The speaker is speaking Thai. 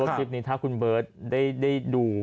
ผมเชื่อว่าคลิปนี้ถ้าคุณเบิร์ตได้ดู